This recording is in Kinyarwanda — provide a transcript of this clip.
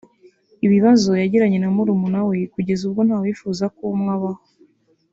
Ibibazo yagiranye na murumuna we kugeza ubwo nta wifuza ko umwe abaho